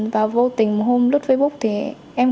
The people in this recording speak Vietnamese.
và vô tình hôm lúc facebook thì em